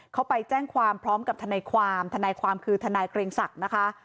เขาไปแจ้งความพร้อมกับทนายความทนายความคือทนายเกรงศักดิ์นะคะ